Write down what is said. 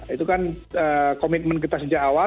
itu kan komitmen kita sejak awal